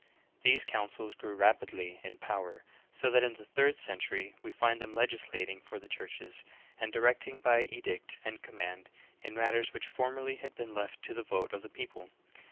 These councils grew rapidly in power, so that in the third century we find them legislating for the churches, and directing by edict and command, in matters___which formerly had been left to the vote of the people.